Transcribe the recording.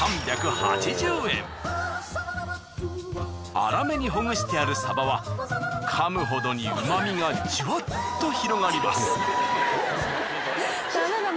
粗めにほぐしてあるサバは噛むほどに旨みがジュワっと広がります。